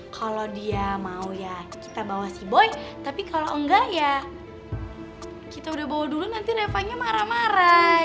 kalau dia mau ya kita bawa sea boy tapi kalau enggak ya kita udah bawa dulu nanti nevanya marah marah